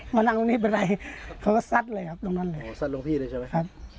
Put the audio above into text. มานั่งตรงนี้เป็นไรเขาก็ซัดเลยครับตรงนั้นเลยซัดหลวงพี่เลยใช่ไหมครับ